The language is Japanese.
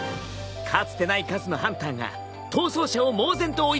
かつてない数のハンターが逃走者を猛然と追い詰める。